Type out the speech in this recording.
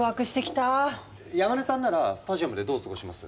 山根さんならスタジアムでどう過ごします？